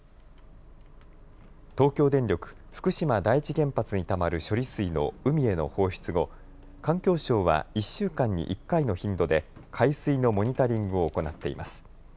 東京電力福島第一原発にたまる処理水の海への放出後、環境省は１週間に１回の頻度で海水のモニタリングを行っています。